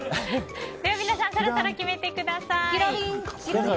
皆さんそろそろ決めてください。